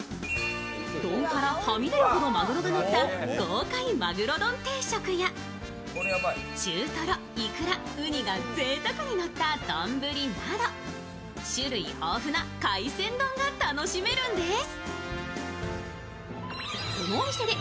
丼からはみ出るほどマグロがのった豪快マグロ丼定食や、中トロ、いくら、うにがぜいたくにのった丼など種類豊富な海鮮丼が楽しめるんです。